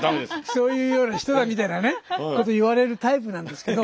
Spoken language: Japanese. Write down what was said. そういうような人だみたいなねこと言われるタイプなんですけど。